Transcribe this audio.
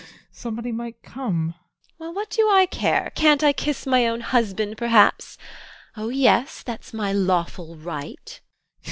Somebody might come! TEKLA. Well, what do I care? Can't I kiss my own husband, perhaps? Oh yes, that's my lawful right.